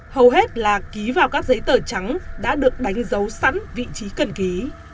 hầu hết là ký vào các giấy tờ trắng đã được đánh dấu sẵn vị trí cần ký